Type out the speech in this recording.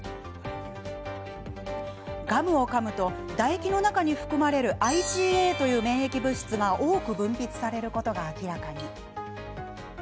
ガムをかむと唾液の中に含まれるＩｇＡという免疫物質が多く分泌されることが明らかに。